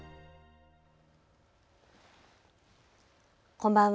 こんばんは。